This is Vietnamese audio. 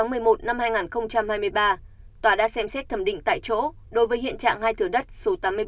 ngày hai mươi sáu tháng một mươi một năm hai nghìn hai mươi ba tòa đã xem xét thẩm định tại chỗ đối với hiện trạng hai thừa đất số tám mươi bảy tám mươi tám